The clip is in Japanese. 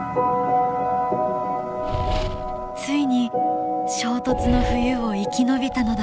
ついに衝突の冬を生き延びたのだ。